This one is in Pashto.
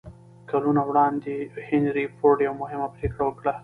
کلونه وړاندې هنري فورډ يوه مهمه پرېکړه وکړه.